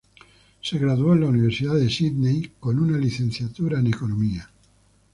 Se graduó de la Universidad de Sídney con una licenciatura en economía.